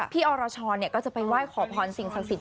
พี่อรชรเนี่ยก็จะไปไหว้ขอพรสิ่งศักดิ์สิทธิ์